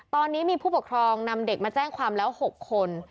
ตอนนี้มีผู้ปกครองนำเด็กมาแจ้งความแล้ว๖คน